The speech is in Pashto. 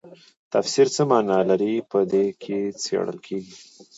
تفسیر څه مانا لري په دې کې څیړل کیږي.